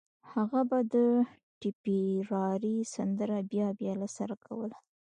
هغه به د ټيپيراري سندره بيا بيا له سره کوله